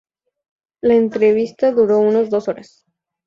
La entrevista duró unas dos horas.